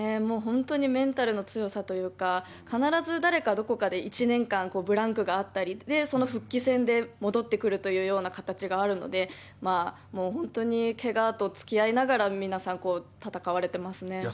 もう本当にメンタルの強さというか、必ず誰かどこかで１年間ブランクがあったり、その復帰戦で戻ってくるというような形があるので、本当にけがとつきあいながら、皆さん戦われてますね。